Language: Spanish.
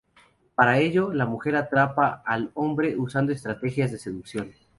Para ello la mujer atrapa al hombre usando estrategias de seducción.